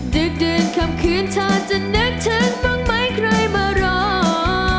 ดึกเดือนคำคืนเจ้าจะนึกถึงบ้างไม่เคยมาร้อง